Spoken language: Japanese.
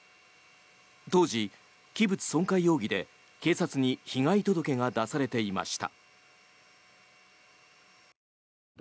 当時、器物損壊容疑で警察に被害届が出されていました。